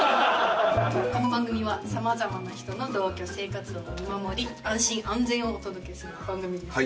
この番組は様々な人の同居生活を見守り安心安全をお届けする番組です。